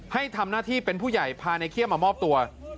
ให้ทำหน้าที่เป็นผู้ใหญ่พาในเขี้ยมามอบตัว